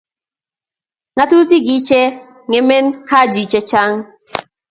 Ngatutitik kiche ngemen Haji che chang.